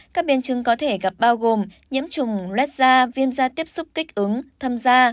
các biến chứng có thể gặp bao gồm nhiễm trùng lết da viêm da tiếp xúc kích ứng tham gia